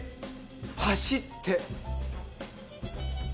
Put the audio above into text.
走って！